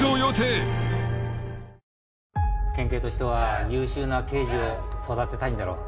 「県警としては優秀な刑事を育てたいんだろう」